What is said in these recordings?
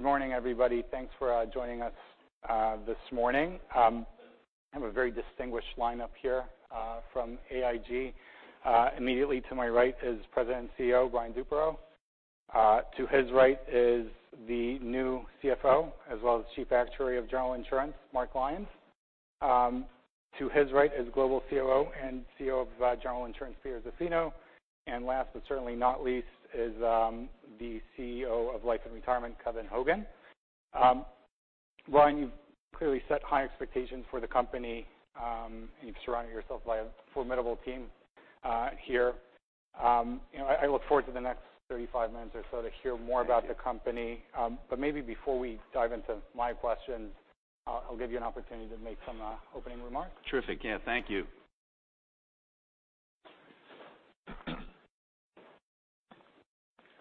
Good morning, everybody. Thanks for joining us this morning. I have a very distinguished lineup here from AIG. Immediately to my right is President and CEO, Brian Duperreault. To his right is the new CFO, as well as Chief Actuary of General Insurance, Mark Lyons. To his right is Global COO and COO of General Insurance, Peter Zaffino. Last, but certainly not least, is the CEO of Life and Retirement, Kevin Hogan. Brian, you've clearly set high expectations for the company. You've surrounded yourself by a formidable team here. I look forward to the next 35 minutes or so to hear more about the company. Maybe before we dive into my questions, I'll give you an opportunity to make some opening remarks. Terrific. Thank you.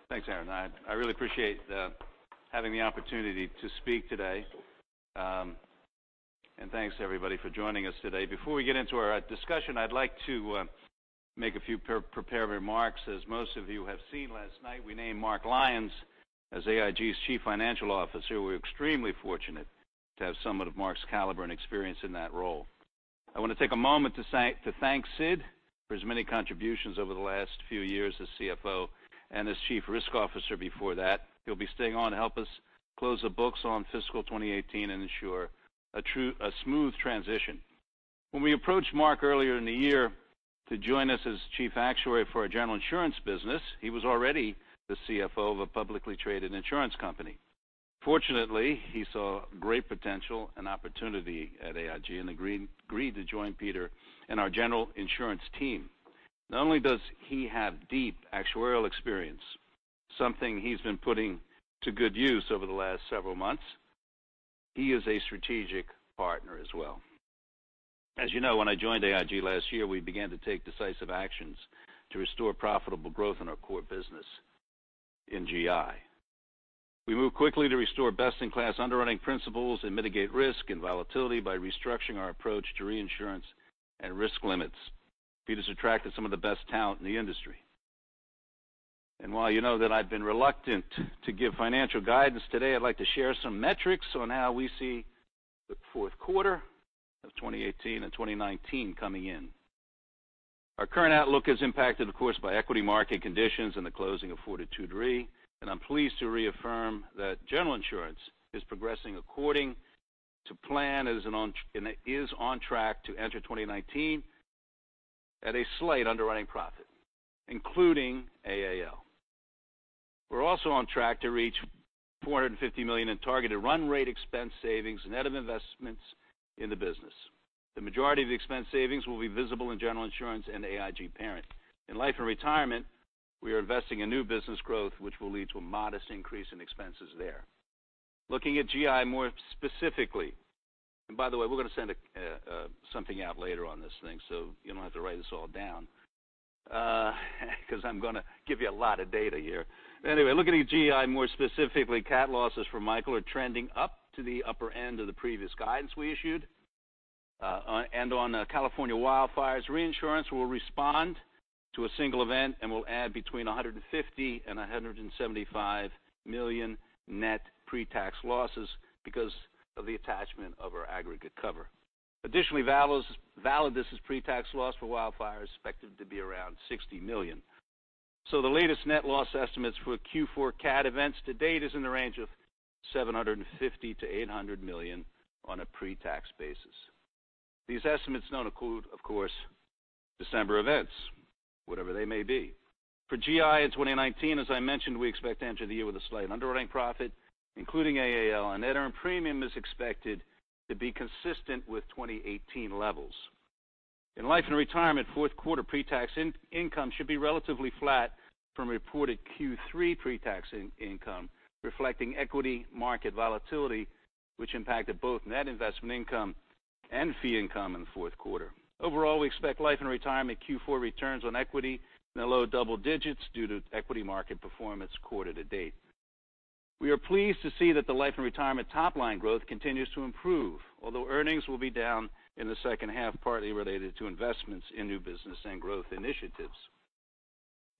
Thanks, Aaron. I really appreciate having the opportunity to speak today. Thanks everybody for joining us today. Before we get into our discussion, I'd like to make a few prepared remarks. As most of you have seen last night, we named Mark Lyons as AIG's Chief Financial Officer. We're extremely fortunate to have someone of Mark's caliber and experience in that role. I want to take a moment to thank Sid for his many contributions over the last few years as CFO and as Chief Risk Officer before that. He'll be staying on to help us close the books on fiscal 2018 and ensure a smooth transition. When we approached Mark earlier in the year to join us as Chief Actuary for our General Insurance business, he was already the CFO of a publicly traded insurance company. Fortunately, he saw great potential and opportunity at AIG and agreed to join Peter and our General Insurance team. Not only does he have deep actuarial experience, something he's been putting to good use over the last several months, he is a strategic partner as well. As you know, when I joined AIG last year, we began to take decisive actions to restore profitable growth in our core business in GI. We moved quickly to restore best-in-class underwriting principles and mitigate risk and volatility by restructuring our approach to reinsurance and risk limits. Peter's attracted some of the best talent in the industry. While you know that I've been reluctant to give financial guidance, today I'd like to share some metrics on how we see the fourth quarter of 2018 and 2019 coming in. Our current outlook is impacted, of course, by equity market conditions and the closing of Fortitude Re. I'm pleased to reaffirm that General Insurance is progressing according to plan and is on track to enter 2019 at a slight underwriting profit, including AAL. We're also on track to reach $450 million in targeted run rate expense savings, net of investments in the business. The majority of the expense savings will be visible in General Insurance and AIG Parent. In Life and Retirement, we are investing in new business growth, which will lead to a modest increase in expenses there. Looking at GI more specifically, by the way, we're going to send something out later on this thing, you don't have to write this all down because I'm going to give you a lot of data here. Looking at GI more specifically, CAT losses for Hurricane Michael are trending up to the upper end of the previous guidance we issued. On California wildfires, reinsurance will respond to a 1 event and will add $150 million-$175 million net pre-tax losses because of the attachment of our aggregate cover. Additionally, Validus pre-tax loss for wildfire is expected to be around $60 million. The latest net loss estimates for Q4 CAT events to date is in the range of $750 million-$800 million on a pre-tax basis. These estimates don't include, of course, December events, whatever they may be. For GI in 2019, as I mentioned, we expect to enter the year with a slight underwriting profit, including AAL, and net earned premium is expected to be consistent with 2018 levels. In Life and Retirement, fourth quarter pre-tax income should be relatively flat from reported Q3 pre-tax income, reflecting equity market volatility, which impacted both net investment income and fee income in the fourth quarter. Overall, we expect Life and Retirement Q4 returns on equity in the low double digits due to equity market performance quarter to date. Earnings will be down in the second half, partly related to investments in new business and growth initiatives.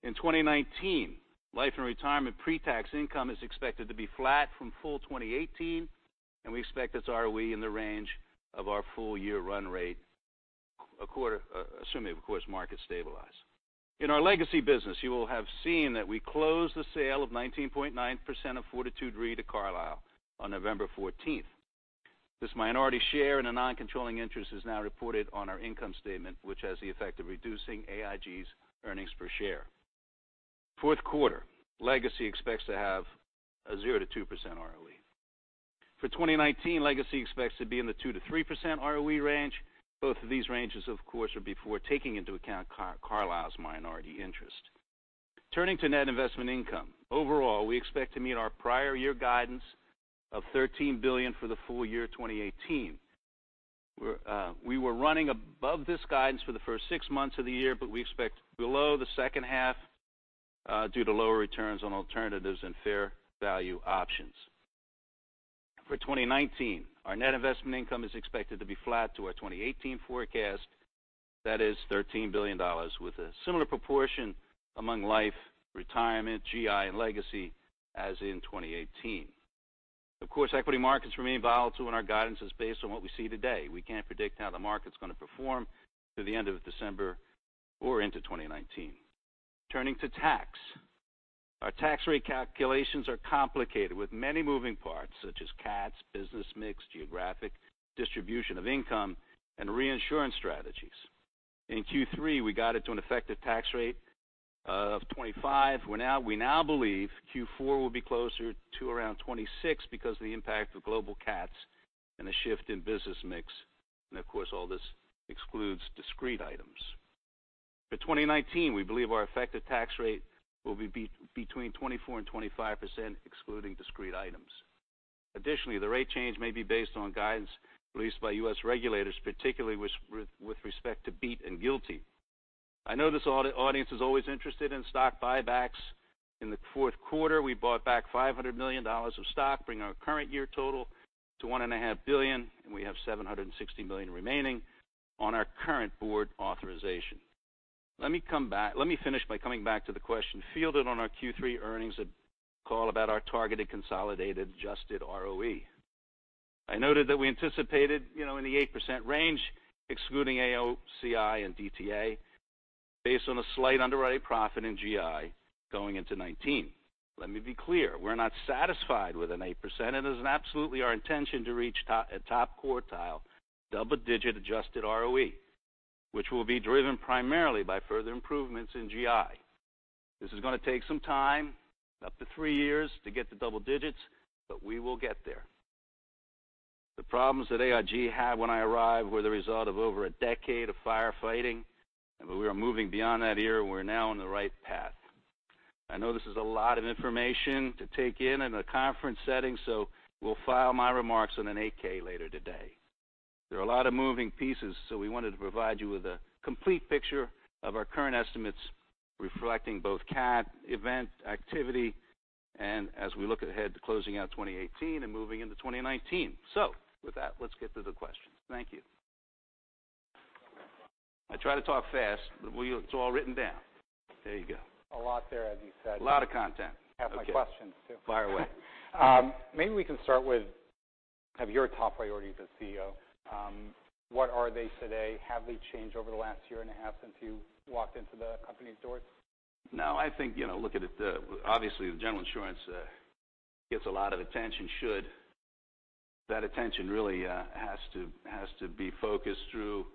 In 2019, Life and Retirement pre-tax income is expected to be flat from full 2018, and we expect its ROE in the range of our full-year run rate, assuming, of course, markets stabilize. In our legacy business, you will have seen that we closed the sale of 19.9% of Fortitude Re to Carlyle on November 14th. This minority share in a non-controlling interest is now reported on our income statement, which has the effect of reducing AIG's earnings per share. Fourth quarter, Legacy expects to have a 0%-2% ROE. For 2019, Legacy expects to be in the 2%-3% ROE range. Both of these ranges, of course, are before taking into account Carlyle's minority interest. Turning to net investment income. Overall, we expect to meet our prior year guidance of $13 billion for the full year 2018. We were running above this guidance for the first six months of the year, we expect below the second half due to lower returns on alternatives and fair value options. For 2019, our net investment income is expected to be flat to our 2018 forecast. That is $13 billion with a similar proportion among life, retirement, GI, and legacy as in 2018. Of course, equity markets remain volatile, our guidance is based on what we see today. We can't predict how the market's going to perform through the end of December or into 2019. Turning to tax, our tax rate calculations are complicated with many moving parts, such as CATs, business mix, geographic distribution of income, and reinsurance strategies. In Q3, we guided to an effective tax rate of 25%, we now believe Q4 will be closer to around 26% because of the impact of global CATs and a shift in business mix, of course, all this excludes discrete items. For 2019, we believe our effective tax rate will be 24%-25%, excluding discrete items. Additionally, the rate change may be based on guidance released by U.S. regulators, particularly with respect to BEAT and GILTI. I know this audience is always interested in stock buybacks. In the fourth quarter, we bought back $500 million of stock, bringing our current year total to $1.5 billion. We have $760 million remaining on our current board authorization. Let me finish by coming back to the question fielded on our Q3 earnings call about our targeted consolidated adjusted ROE. I noted that we anticipated in the 8% range, excluding AOCI and DTA, based on a slight underwriting profit in GI going into 2019. Let me be clear, we are not satisfied with an 8%. It is absolutely our intention to reach a top quartile double-digit adjusted ROE, which will be driven primarily by further improvements in GI. This is going to take some time, up to three years to get to double digits. We will get there. The problems that AIG had when I arrived were the result of over a decade of firefighting. We are moving beyond that era. We are now on the right path. I know this is a lot of information to take in in a conference setting. We will file my remarks in an 8-K later today. There are a lot of moving pieces. We wanted to provide you with a complete picture of our current estimates, reflecting both CAT event activity and as we look ahead to closing out 2018 and moving into 2019. With that, let us get to the questions. Thank you. I try to talk fast, but it is all written down. There you go. A lot there, as you said. A lot of content. I have my questions, too. Fire away. Maybe we can start with your top priorities as CEO. What are they today? Have they changed over the last year and a half since you walked into the company's doors? I think, obviously, the General Insurance gets a lot of attention. Should. That attention really has to be focused through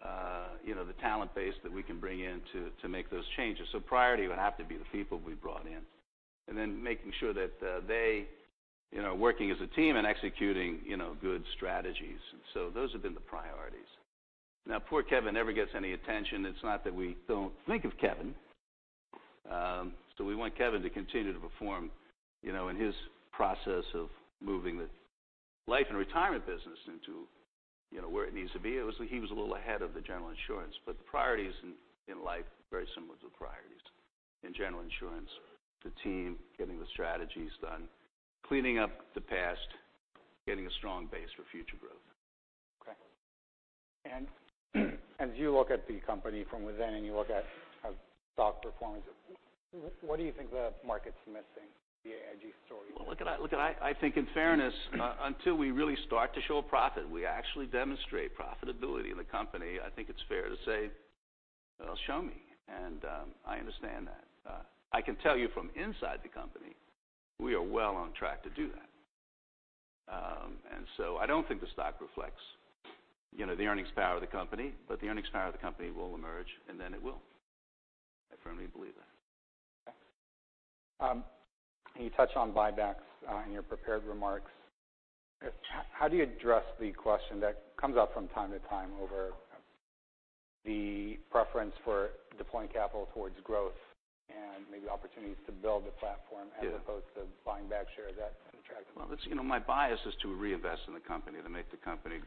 the talent base that we can bring in to make those changes. Priority would have to be the people we've brought in, and then making sure that they are working as a team and executing good strategies. Those have been the priorities. Now, poor Kevin never gets any attention. It's not that we don't think of Kevin. We want Kevin to continue to perform in his process of moving the Life and Retirement business into where it needs to be. He was a little ahead of the General Insurance, the priority is in Life, very similar to the priorities in General Insurance. The team getting the strategies done, cleaning up the past, getting a strong base for future growth. Okay. As you look at the company from within and you look at stock performance, what do you think the market's missing the AIG story? Look, I think in fairness, until we really start to show a profit, we actually demonstrate profitability in the company, I think it's fair to say, "Well, show me." I understand that. I can tell you from inside the company, we are well on track to do that. So I don't think the stock reflects the earnings power of the company, but the earnings power of the company will emerge, and then it will. I firmly believe that. Okay. You touched on buybacks in your prepared remarks. How do you address the question that comes up from time to time over the preference for deploying capital towards growth and maybe opportunities to build the platform- Yeah as opposed to buying back shares? Is that attractive? My bias is to reinvest in the company, to make the company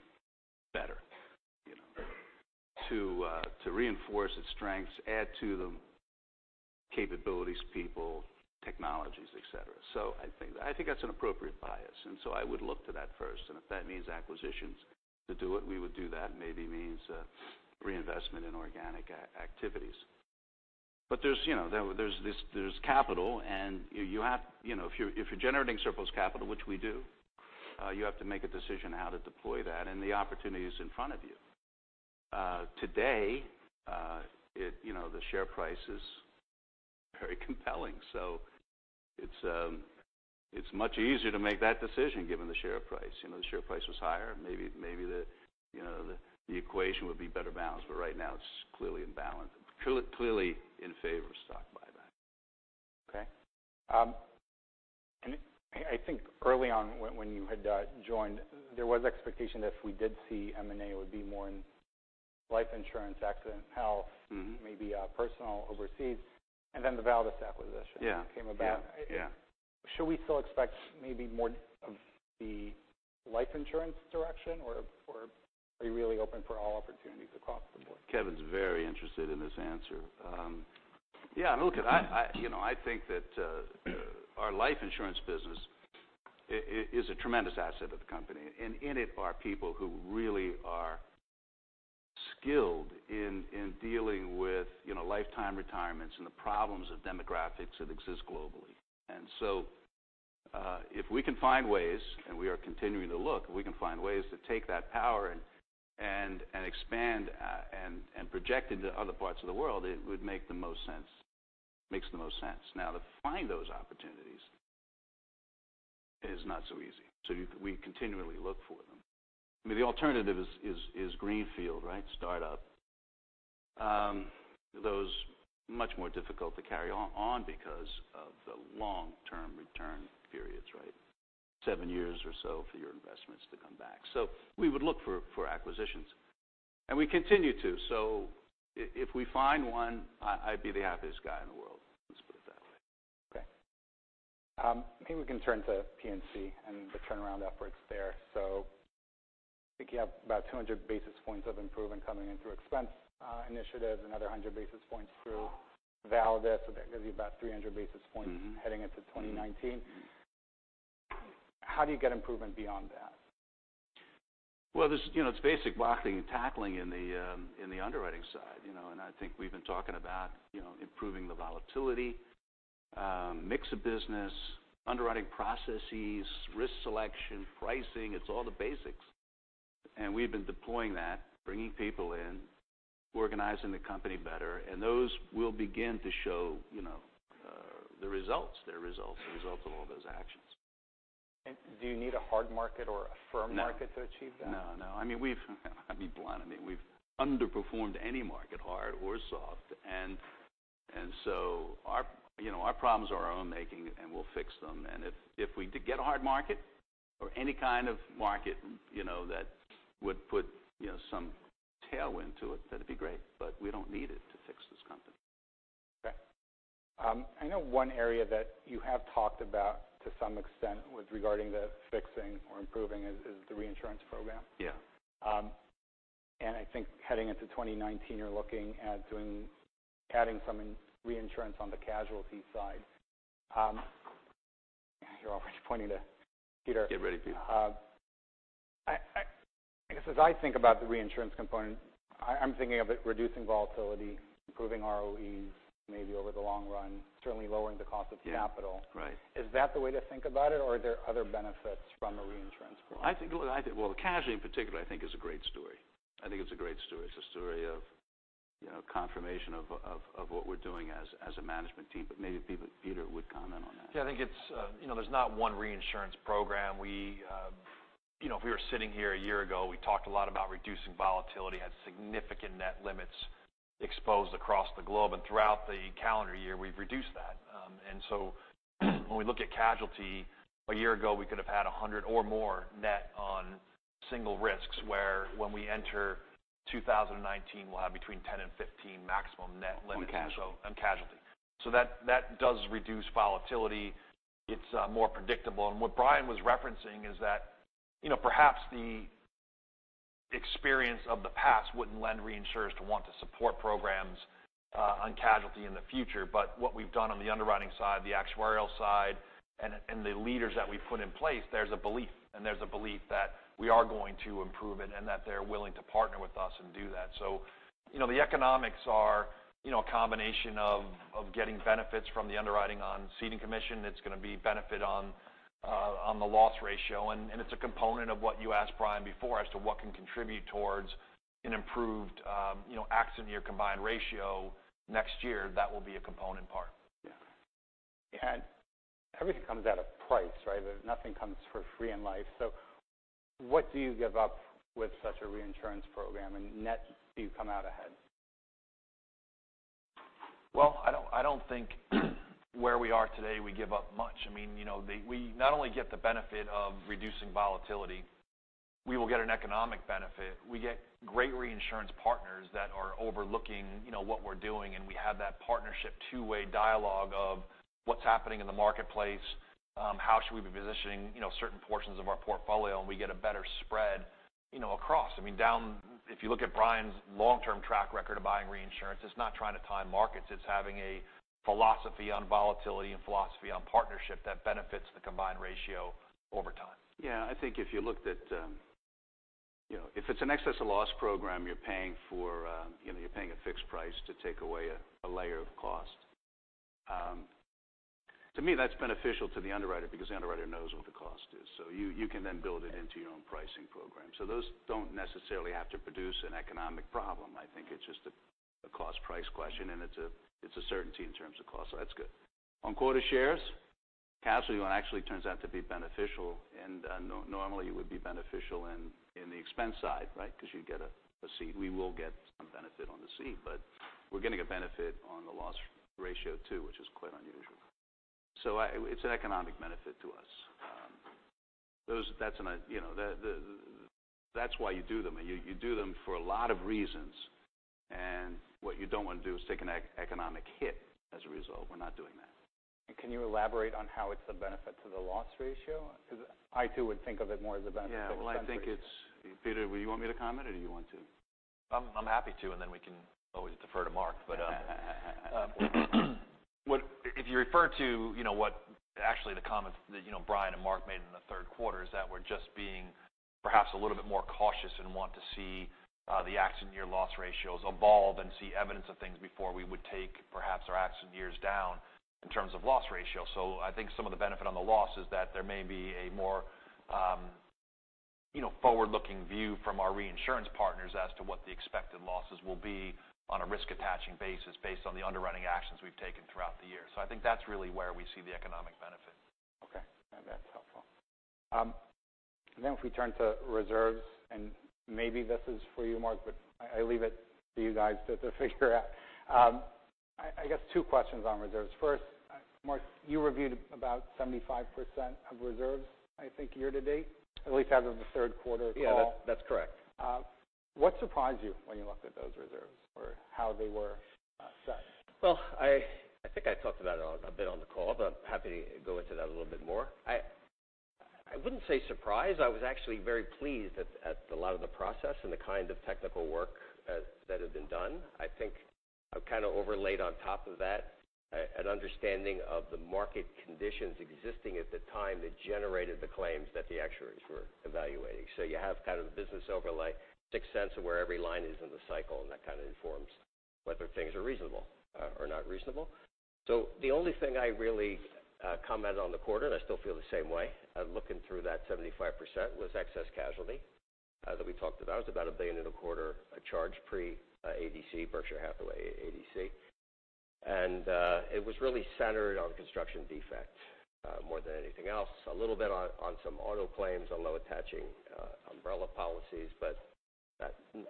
better. To reinforce its strengths, add to the capabilities, people, technologies, et cetera. I think that's an appropriate bias. I would look to that first. If that means acquisitions to do it, we would do that. Maybe it means reinvestment in organic activities. There's capital. If you're generating surplus capital, which we do, you have to make a decision how to deploy that and the opportunities in front of you. Today, the share price is very compelling. It's much easier to make that decision given the share price. If the share price was higher, maybe the equation would be better balanced. Right now, it's clearly in favor of stock buyback. Okay. I think early on when you had joined, there was expectation if we did see M&A, it would be more in life insurance, accident health- Maybe personal overseas, the Validus acquisition- Yeah came about. Yeah. Should we still expect maybe more of the life insurance direction, or are you really open for all opportunities across the board? Kevin's very interested in this answer. Yeah, look, I think that our life insurance business is a tremendous asset of the company. In it are people who really are skilled in dealing with lifetime retirements and the problems of demographics that exist globally. If we can find ways, and we are continuing to look, if we can find ways to take that power and expand and project into other parts of the world, it would make the most sense. Now, to find those opportunities is not so easy, so we continually look for them. I mean, the alternative is greenfield, right? Startup. Those are much more difficult to carry on because of the long-term return periods, right? Seven years or so for your investments to come back. We would look for acquisitions, and we continue to. If we find one, I'd be the happiest guy in the world, let's put it that way. Okay. Maybe we can turn to P&C and the turnaround efforts there. I think you have about 200 basis points of improvement coming in through expense initiatives, another 100 basis points through Validus. That gives you about 300 basis points heading into 2019. How do you get improvement beyond that? Well, it is basic blocking and tackling in the underwriting side. I think we have been talking about improving the volatility, mix of business, underwriting processes, risk selection, pricing. It is all the basics. We have been deploying that, bringing people in, organizing the company better, and those will begin to show the results, their results, the results of all those actions. Do you need a hard market or a firm market to achieve that? No. I mean, I will be blunt. We have underperformed any market, hard or soft. Our problems are our own making, and we will fix them. If we get a hard market or any kind of market that would put some tailwind to it, that would be great, but we do not need it to fix this company. Okay. I know one area that you have talked about to some extent with regarding the fixing or improving is the reinsurance program. Yeah. I think heading into 2019, you're looking at adding some reinsurance on the casualty side. You're already pointing to Peter. Get ready, Peter. I guess as I think about the reinsurance component, I'm thinking of it reducing volatility, improving ROEs maybe over the long run, certainly lowering the cost of capital. Yeah. Right. Is that the way to think about it, or are there other benefits from a reinsurance program? Well, the casualty in particular I think is a great story. It's a story of confirmation of what we're doing as a management team. Maybe Peter would comment on that. Yeah, I think there's not one reinsurance program. If we were sitting here a year ago, we talked a lot about reducing volatility, had significant net limits exposed across the globe. Throughout the calendar year, we've reduced that. When we look at casualty, a year ago, we could have had 100 or more net on single risks, where when we enter 2019, we'll have between 10 and 15 maximum net limits. On casualty. On casualty. That does reduce volatility. It's more predictable. What Brian was referencing is that perhaps the experience of the past wouldn't lend reinsurers to want to support programs on casualty in the future. What we've done on the underwriting side, the actuarial side, and the leaders that we've put in place, there's a belief. There's a belief that we are going to improve it, and that they're willing to partner with us and do that. The economics are a combination of getting benefits from the underwriting on ceding commission that's going to be benefit on the loss ratio. It's a component of what you asked Brian before as to what can contribute towards an improved accident year combined ratio next year. That will be a component part. Yeah. Everything comes at a price, right? Nothing comes for free in life. What do you give up with such a reinsurance program, and net do you come out ahead? Well, I don't think where we are today we give up much. We not only get the benefit of reducing volatility, we will get an economic benefit. We get great reinsurance partners that are overlooking what we're doing, and we have that partnership two-way dialogue of what's happening in the marketplace, how should we be positioning certain portions of our portfolio, and we get a better spread across. If you look at Brian's long-term track record of buying reinsurance, it's not trying to time markets. It's having a philosophy on volatility and philosophy on partnership that benefits the combined ratio over time. Yeah, I think if it's an excess of loss program, you're paying a fixed price to take away a layer of cost. To me, that's beneficial to the underwriter because the underwriter knows what the cost is. You can then build it into your own pricing program. Those don't necessarily have to produce an economic problem. I think it's just a cost-price question, and it's a certainty in terms of cost, that's good. On quota shares, casualty one actually turns out to be beneficial, and normally it would be beneficial in the expense side, right? Because you get a cede. We will get some benefit on the cede. We're getting a benefit on the loss ratio, too, which is quite unusual. It's an economic benefit to us. That's why you do them, and you do them for a lot of reasons. What you don't want to do is take an economic hit as a result. We're not doing that. Can you elaborate on how it's the benefit to the loss ratio? I too would think of it more as a benefit to the loss ratio. Yeah. Well, I think it's Peter, do you want me to comment, or do you want to? I'm happy to, then we can always defer to Mark. If you refer to what actually the comments that Brian and Mark made in the third quarter is that we're just being perhaps a little bit more cautious and want to see the accident year loss ratios evolve and see evidence of things before we would take perhaps our accident years down in terms of loss ratio. I think some of the benefit on the loss is that there may be a more forward-looking view from our reinsurance partners as to what the expected losses will be on a risk-attaching basis based on the underwriting actions we've taken throughout the year. I think that's really where we see the economic benefit. Okay. That's helpful. If we turn to reserves, maybe this is for you, Mark, but I leave it to you guys to figure out. I guess two questions on reserves. First, Mark, you reviewed about 75% of reserves, I think, year to date, at least as of the third quarter call. Yeah. That's correct. What surprised you when you looked at those reserves or how they were set? Well, I think I talked about it a bit on the call, happy to go into that a little bit more. I wouldn't say surprised. I was actually very pleased at a lot of the process and the kind of technical work that had been done. I think I've kind of overlaid on top of that an understanding of the market conditions existing at the time that generated the claims that the actuaries were evaluating. You have kind of the business overlay, sixth sense of where every line is in the cycle, and that kind of informs whether things are reasonable or not reasonable. The only thing I really commented on the quarter, and I still feel the same way, looking through that 75% was excess casualty that we talked about. It's about $1 billion and a quarter charge pre-ADC, Berkshire Hathaway ADC. It was really centered on construction defect more than anything else. A little bit on some auto claims, although attaching umbrella policies, but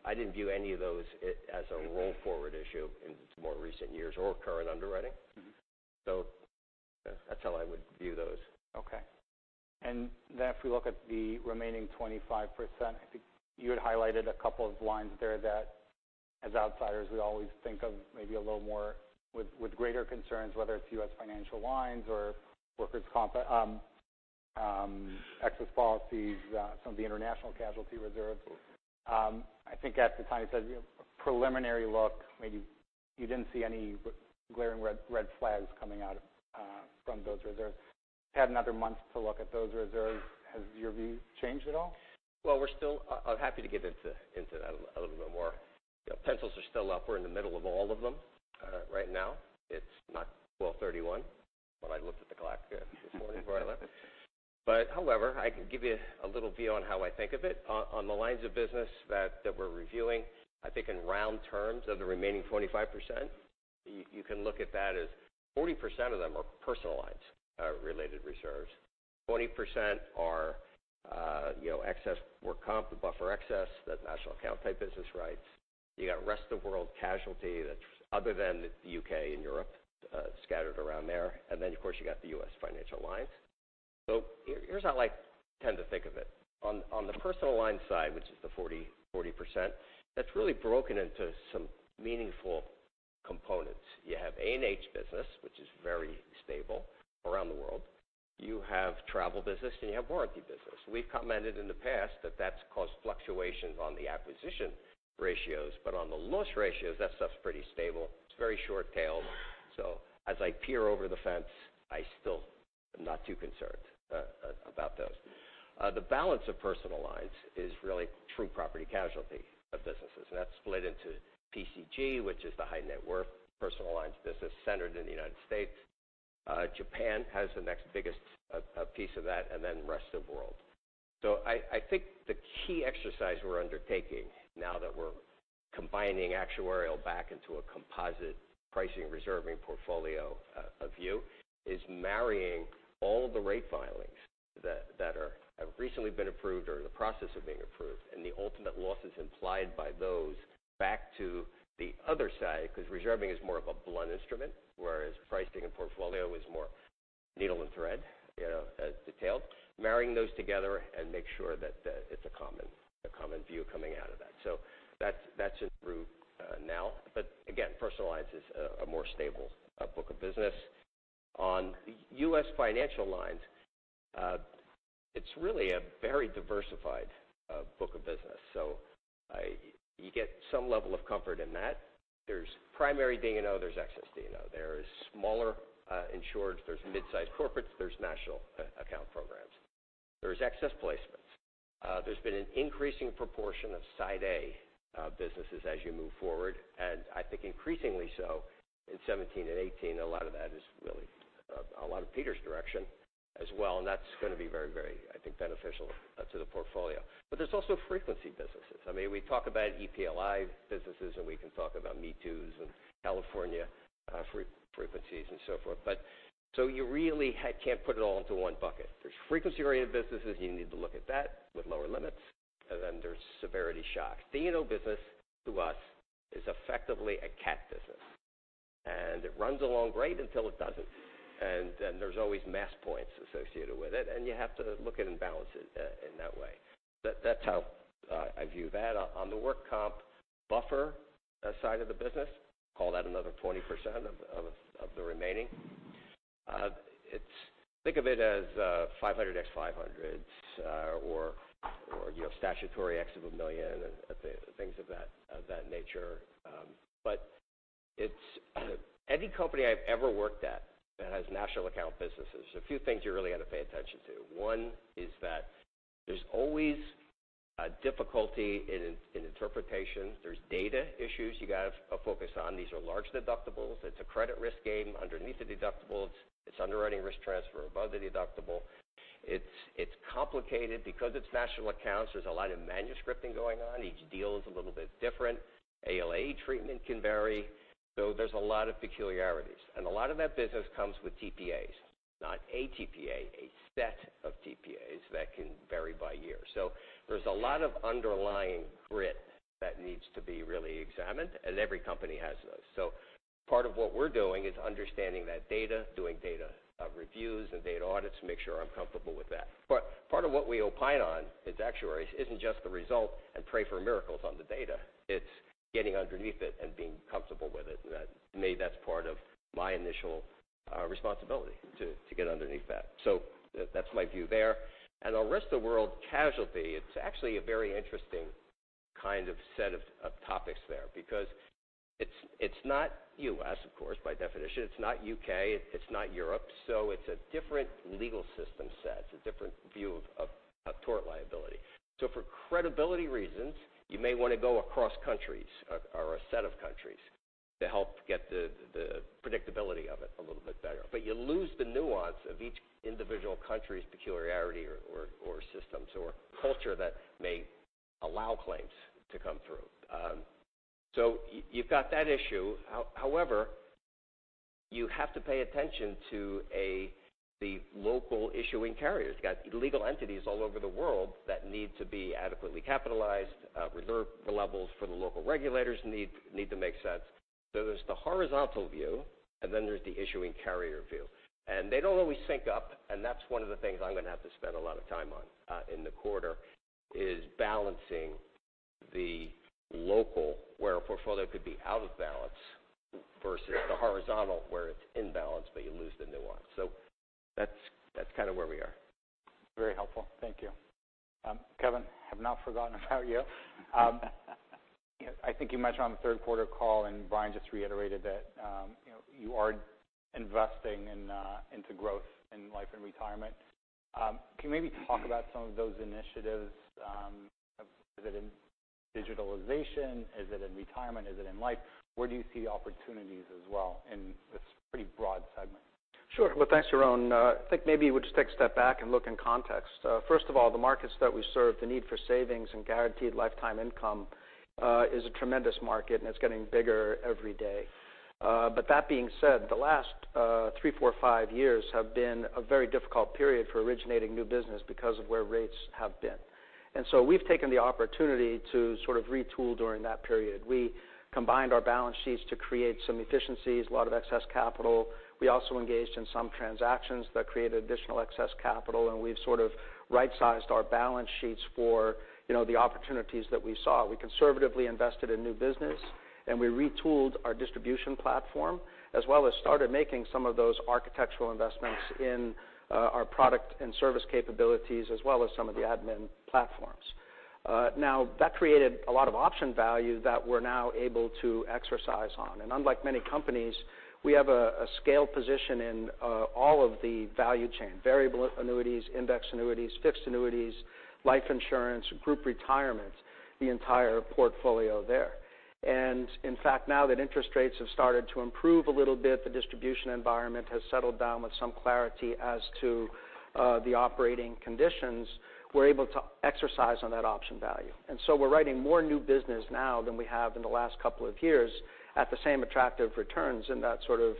I didn't view any of those as a roll-forward issue in more recent years or current underwriting. That's how I would view those. If we look at the remaining 25%, I think you had highlighted a couple of lines there that as outsiders, we always think of maybe a little more with greater concerns, whether it's U.S. financial lines or workers' comp, excess policies, some of the international casualty reserves. I think at the time you said a preliminary look, maybe you didn't see any glaring red flags coming out from those reserves. Had another month to look at those reserves. Has your view changed at all? I'm happy to get into that a little bit more. Pencils are still up. We're in the middle of all of them right now. It's not 12:31 when I looked at the clock this morning before I left. However, I can give you a little view on how I think of it. On the lines of business that we're reviewing, I think in round terms of the remaining 25%, you can look at that as 40% of them are personal lines related reserves, 20% are excess work comp, the buffer excess, that national account type business rights. You got rest of world casualty that's other than the U.K. and Europe scattered around there. Then, of course, you got the U.S. financial lines. Here's how I tend to think of it. On the personal line side, which is the 40%, that's really broken into some meaningful components. You have A&H business, which is very stable around the world. You have travel business, and you have warranty business. We've commented in the past that that's caused fluctuations on the acquisition ratios, but on the loss ratios, that stuff's pretty stable. It's very short tail. As I peer over the fence, I still am not too concerned about those. The balance of personal lines is really true property casualty of businesses. That's split into PCG, which is the high net worth personal lines business centered in the U.S. Japan has the next biggest piece of that, and then rest of world. I think the key exercise we're undertaking now that we're combining actuarial back into a composite pricing reserving portfolio view is marrying all the rate filings that have recently been approved or in the process of being approved, and the ultimate losses implied by those back to the other side because reserving is more of a blunt instrument, whereas pricing and portfolio is more needle and thread detailed. Marrying those together and make sure that it's a common view coming out of that. That's it through now. Again, personal lines is a more stable book of business. On U.S. financial lines, it's really a very diversified book of business. You get some level of comfort in that. There's primary D&O, there's excess D&O. There's smaller insureds, there's mid-size corporates, there's national account programs. There's excess placements. There's been an increasing proportion of Side A businesses as you move forward, and I think increasingly so in 2017 and 2018. A lot of that is really a lot of Peter's direction as well, and that's going to be very, very, I think, beneficial to the portfolio. There's also frequency businesses. I mean, we talk about EPLI businesses, and we can talk about #MeToo's and California frequencies and so forth. You really can't put it all into one bucket. There's frequency-related businesses, you need to look at that with lower limits, and then there's severity shock. D&O business to us is effectively a cat business. It runs along great until it doesn't. There's always mass points associated with it, and you have to look at and balance it in that way. That's how I view that. On the work comp Buffer side of the business, call that another 20% of the remaining. Think of it as 500x500s or statutory X of $1 million and things of that nature. Any company I've ever worked at that has national account businesses, there's a few things you really got to pay attention to. One is that there's always a difficulty in interpretation. There's data issues you got to focus on. These are large deductibles. It's a credit risk game underneath the deductible. It's underwriting risk transfer above the deductible. It's complicated because it's national accounts. There's a lot of manuscripting going on. Each deal is a little bit different. ALAE treatment can vary. There's a lot of peculiarities. A lot of that business comes with TPAs. Not a TPA, a set of TPAs that can vary by year. There's a lot of underlying grit that needs to be really examined, and every company has those. Part of what we're doing is understanding that data, doing data reviews and data audits to make sure I'm comfortable with that. Part of what we opine on as actuaries isn't just the result and pray for miracles on the data. It's getting underneath it and being comfortable with it. To me, that's part of my initial responsibility, to get underneath that. That's my view there. On rest of world casualty, it's actually a very interesting kind of set of topics there because it's not U.S., of course, by definition. It's not U.K., it's not Europe, so it's a different legal system set. It's a different view of tort liability. For credibility reasons, you may want to go across countries or a set of countries to help get the predictability of it a little bit better. You lose the nuance of each individual country's peculiarity or systems or culture that may allow claims to come through. You've got that issue. However, you have to pay attention to the local issuing carriers. You got legal entities all over the world that need to be adequately capitalized. Reserve levels for the local regulators need to make sense. There's the horizontal view, and then there's the issuing carrier view, and they don't always sync up, and that's one of the things I'm going to have to spend a lot of time on in the quarter, is balancing the local, where a portfolio could be out of balance versus the horizontal, where it's in balance, but you lose the nuance. That's kind of where we are. Very helpful. Thank you. Kevin, have not forgotten about you. I think you mentioned on the third quarter call, and Brian just reiterated that you are investing into growth in Life and Retirement. Can you maybe talk about some of those initiatives? Is it in digitalization? Is it in retirement? Is it in life? Where do you see opportunities as well in this pretty broad segment? Sure. Well, thanks, Aaon. I think maybe we'll just take a step back and look in context. First of all, the markets that we serve, the need for savings and guaranteed lifetime income, is a tremendous market, and it's getting bigger every day. That being said, the last three, four, five years have been a very difficult period for originating new business because of where rates have been. We've taken the opportunity to sort of retool during that period. We combined our balance sheets to create some efficiencies, a lot of excess capital. We also engaged in some transactions that created additional excess capital, and we've sort of right-sized our balance sheets for the opportunities that we saw. We conservatively invested in new business, we retooled our distribution platform, as well as started making some of those architectural investments in our product and service capabilities, as well as some of the admin platforms. Now, that created a lot of option value that we're now able to exercise on. Unlike many companies, we have a scale position in all of the value chain. Variable annuities, index annuities, fixed annuities, life insurance, Group Retirement, the entire portfolio there. In fact, now that interest rates have started to improve a little bit, the distribution environment has settled down with some clarity as to the operating conditions. We're able to exercise on that option value. We're writing more new business now than we have in the last couple of years at the same attractive returns in that sort of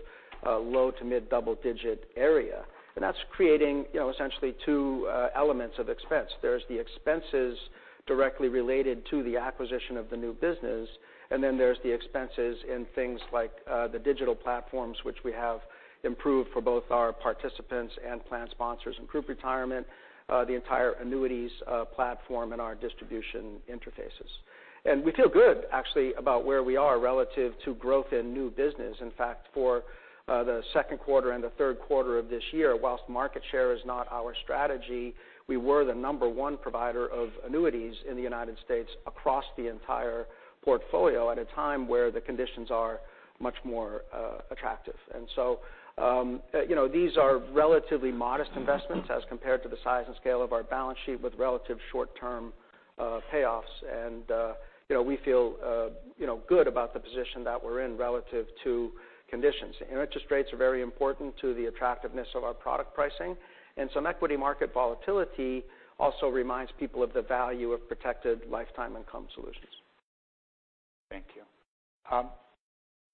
low to mid double-digit area. That's creating essentially two elements of expense. There's the expenses directly related to the acquisition of the new business, and then there's the expenses in things like the digital platforms, which we have improved for both our participants and plan sponsors in Group Retirement, the entire annuities platform in our distribution interfaces. We feel good, actually, about where we are relative to growth in new business. In fact, for the second quarter and the third quarter of this year, whilst market share is not our strategy, we were the number one provider of annuities in the U.S. across the entire portfolio at a time where the conditions are much more attractive. These are relatively modest investments as compared to the size and scale of our balance sheet with relative short-term payoffs. We feel good about the position that we're in relative to conditions. Interest rates are very important to the attractiveness of our product pricing. Some equity market volatility also reminds people of the value of protected lifetime income solutions. Thank you.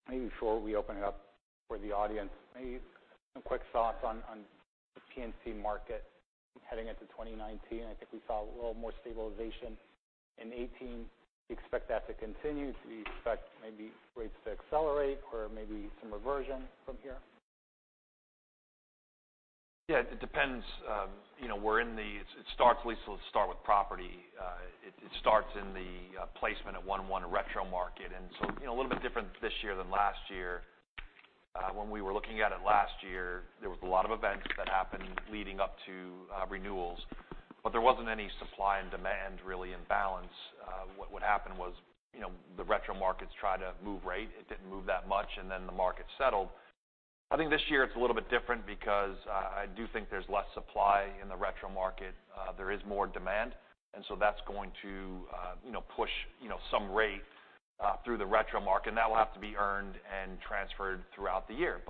Maybe before we open it up for the audience, maybe some quick thoughts on the P&C market heading into 2019. I think we saw a little more stabilization in 2018. Do you expect that to continue? Do you expect maybe rates to accelerate or maybe some reversion from here? Yeah, it depends. At least let's start with property. It starts in the placement at 1/1 retro market, a little bit different this year than last year. When we were looking at it last year, there was a lot of events that happened leading up to renewals, there wasn't any supply and demand really in balance. What happened was the retro markets tried to move rate. It didn't move that much, the market settled. I think this year it's a little bit different because I do think there's less supply in the retro market. There is more demand, that's going to push some rate through the retro market, that will have to be earned and transferred throughout the year.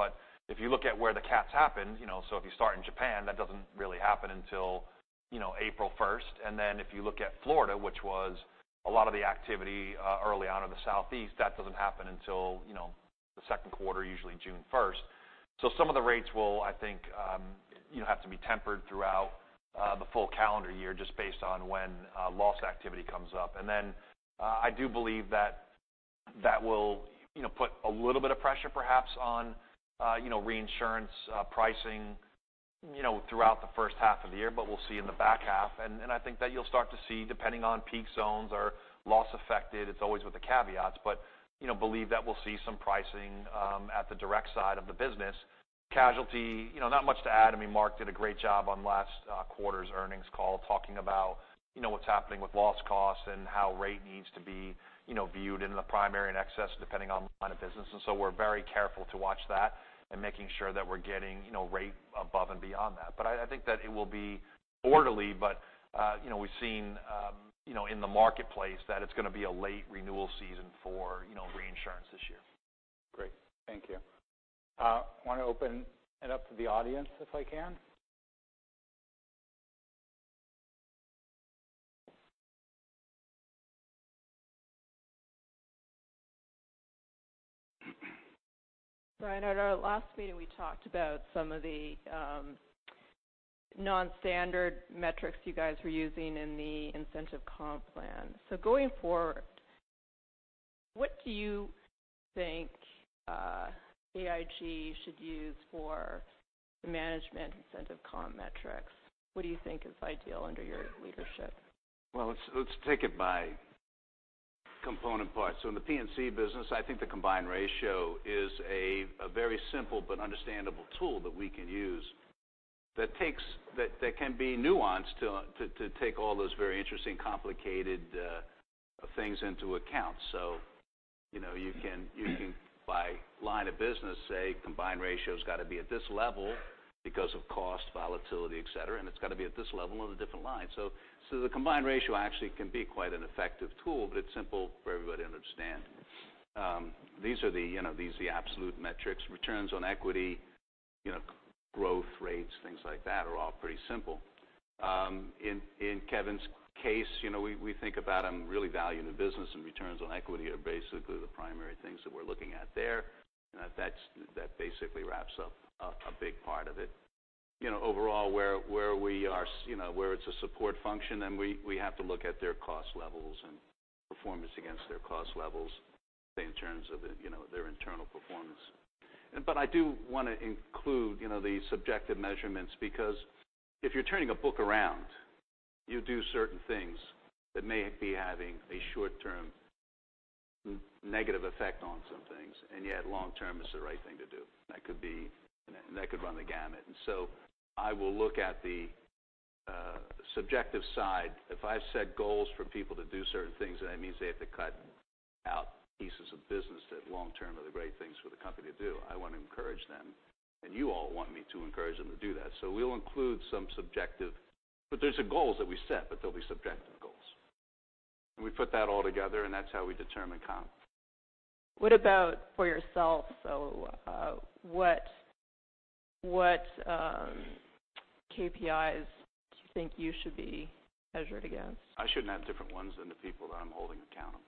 If you look at where the CATs happen, if you start in Japan, that doesn't really happen until April 1st. If you look at Florida, which was a lot of the activity early on in the Southeast, that doesn't happen until the second quarter, usually June 1st. Some of the rates will, I think, have to be tempered throughout the full calendar year just based on when loss activity comes up. I do believe that will put a little bit of pressure perhaps on reinsurance pricing throughout the first half of the year, we'll see in the back half. I think that you'll start to see, depending on peak zones or loss affected, it's always with the caveats, believe that we'll see some pricing at the direct side of the business. Casualty, not much to add. I mean, Mark did a great job on last quarter's earnings call, talking about what's happening with loss costs and how rate needs to be viewed in the primary and excess depending on line of business. We're very careful to watch that and making sure that we're getting rate above and beyond that. I think that it will be orderly, we've seen in the marketplace that it's going to be a late renewal season for reinsurance this year. Great. Thank you. I want to open it up to the audience if I can. Brian, at our last meeting, we talked about some of the non-standard metrics you guys were using in the incentive comp plan. Going forward, what do you think AIG should use for the management incentive comp metrics? What do you think is ideal under your leadership? Well, let's take it by component parts. In the P&C business, I think the combined ratio is a very simple but understandable tool that we can use that can be nuanced to take all those very interesting, complicated things into account. You can, by line of business, say combined ratio's got to be at this level because of cost, volatility, et cetera, and it's got to be at this level in a different line. The combined ratio actually can be quite an effective tool, but it's simple for everybody to understand. These are the absolute metrics, returns on equity, growth rates, things like that are all pretty simple. In Kevin's case, we think about and really value the business, and returns on equity are basically the primary things that we're looking at there. That basically wraps up a big part of it. Overall, where it's a support function, we have to look at their cost levels and performance against their cost levels in terms of their internal performance. I do want to include the subjective measurements because if you're turning a book around, you do certain things that may be having a short-term negative effect on some things, and yet long term it's the right thing to do. That could run the gamut. I will look at the subjective side. If I've set goals for people to do certain things, that means they have to cut out pieces of business that long term are the right things for the company to do. I want to encourage them, and you all want me to encourage them to do that. We'll include some subjective, but those are goals that we set, but they'll be subjective goals. We put that all together, and that's how we determine comp. What about for yourself, though? What KPIs do you think you should be measured against? I shouldn't have different ones than the people that I'm holding accountable.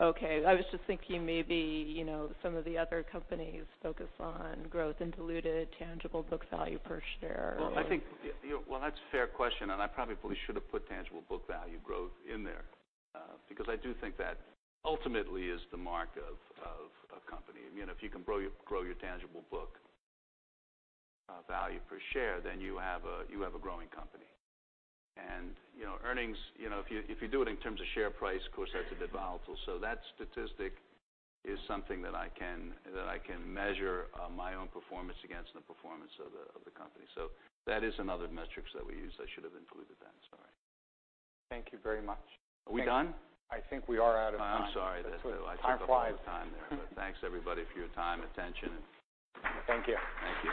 Okay, I was just thinking maybe some of the other companies focus on growth and diluted tangible book value per share. Well, that's a fair question. I probably should have put tangible book value growth in there because I do think that ultimately is the mark of a company. If you can grow your tangible book value per share, then you have a growing company. Earnings, if you do it in terms of share price, of course, that's a bit volatile. That statistic is something that I can measure my own performance against the performance of the company. That is another metric that we use. I should have included that. Sorry. Thank you very much. Are we done? I think we are out of time. I'm sorry that I took up all the time there. Time flies. Thanks everybody for your time, attention. Thank you. Thank you.